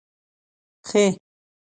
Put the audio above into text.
خ